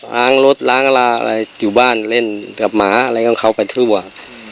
ล้างรถล้างอะไรอยู่บ้านเล่นกับหมาอะไรของเขาไปทั่วครับ